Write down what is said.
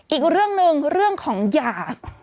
อีกเรื่องหนึ่งเรื่องของหยาด